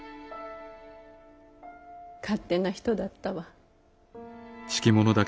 勝手な人だったわ。